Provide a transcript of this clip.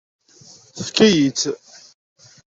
Tefka-yi-tt.